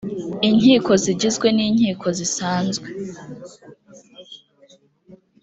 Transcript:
inkiko zigizwe n inkiko zisanzwe